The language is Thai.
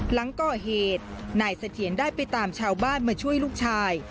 หลังก่อเหตุนายเสถียรได้ไปตามชาวบ้านมาช่วยลูกชาย